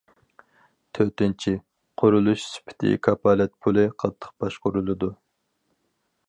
تۆتىنچى، قۇرۇلۇش سۈپىتى كاپالەت پۇلى قاتتىق باشقۇرۇلىدۇ.